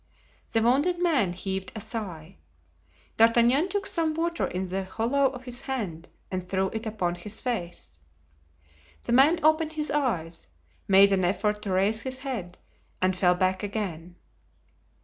The wounded man heaved a sigh. D'Artagnan took some water in the hollow of his hand and threw it upon his face. The man opened his eyes, made an effort to raise his head, and fell back again.